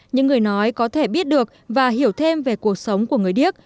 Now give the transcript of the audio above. những người nói có thể biết được và hiểu thêm về cuộc sống của người điếc